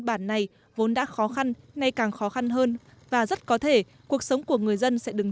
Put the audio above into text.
bản này vốn đã khó khăn nay càng khó khăn hơn và rất có thể cuộc sống của người dân sẽ đứng